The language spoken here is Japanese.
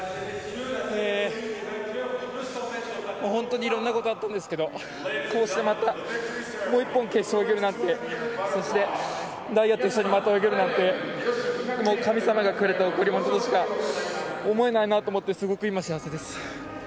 本当にいろんなことあったんですけど、こうしてまたもう一本、決勝に行けるなんて、そして大也と一緒にまた泳げるなんて、もう神様がくれた贈り物としか思えないなと思って、すごく今幸せです。